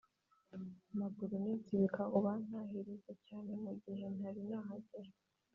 Maguru n insibika ubantahirize cyane mu gihe ntari nahagera